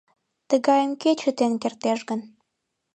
Тыгайым кӧ чытен кертеш гын?